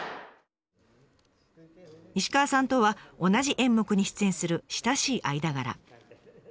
石川さんとは同じ演目に出演する親しい間柄。